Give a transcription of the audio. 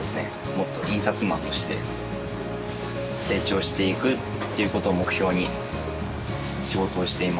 もっと印刷マンとして成長していくっていう事を目標に仕事をしています。